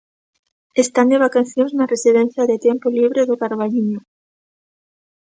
Están de vacacións na residencia de tempo libre do Carballiño.